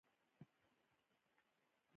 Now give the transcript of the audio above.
دا کانال په کال نولس سوه څوارلسم کې پرانیستل شو.